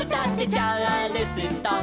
「チャールストン」